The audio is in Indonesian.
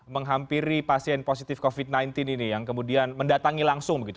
menghampiri pasien positif covid sembilan belas ini yang kemudian mendatangi langsung begitu